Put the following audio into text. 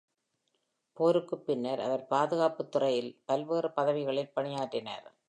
போருக்குப் பின்னர், அவர் பாதுகாப்புத் துறையில் பல்வேறு பதவிகளில் பணியாற்றினார்.